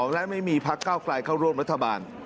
และไม่มีพักเก้าไกลเข้าร่วมรัฐบาล